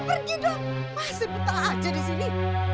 ayo pergi dong masih betul aja di sini